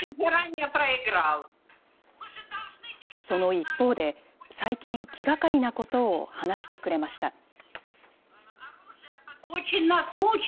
その一方で、最近、気がかりなことを話してくれました。